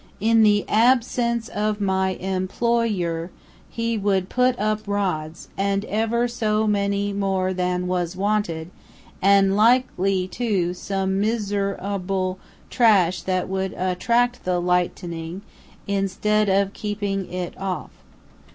In the ab sence of my em ployer, he would put up rods, and ever so many more than was wanted, and likely, too, some miser able trash that would attrack the light ening, instead of keep ing it off.